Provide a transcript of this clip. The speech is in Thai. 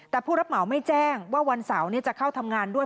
แต่ผู้รับเหมาไม่แจ้งว่าวันเสาร์จะเข้าทำงานด้วย